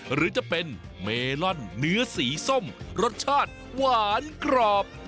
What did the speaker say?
หรือจะเป็นเมลอนเนื้อสีส้มรสชาติหวานกรอบ